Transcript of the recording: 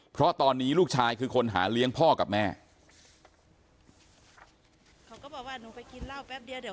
เพราะตอนนี้ลูกชายคือคนหาเลี้ยงพ่อกับแม่